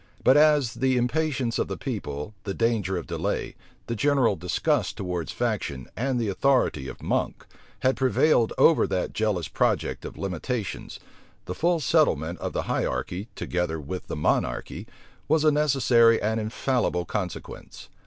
But as the impatience of the people, the danger of delay, the general disgust towards faction, and the authority of Monk, had prevailed over that jealous project of limitations, the full settlement of the hierarchy, together with the monarchy, was a necessary and infallible consequence.